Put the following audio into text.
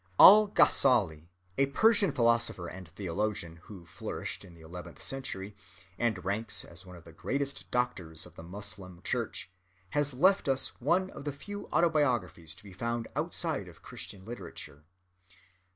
Al‐Ghazzali, a Persian philosopher and theologian, who flourished in the eleventh century, and ranks as one of the greatest doctors of the Moslem church, has left us one of the few autobiographies to be found outside of Christian literature.